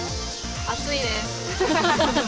暑いです。